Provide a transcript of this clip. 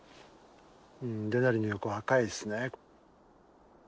デナリの横赤いですね。